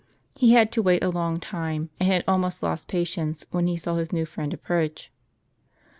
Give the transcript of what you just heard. He had to wait a long time, and had almost lost patience, when he saw his new friend approach.